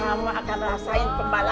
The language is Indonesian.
kamu akan rasain pebaliknya